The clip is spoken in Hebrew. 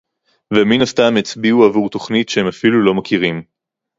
ומן הסתם הצביעו עבור תוכנית שהם אפילו לא מכירים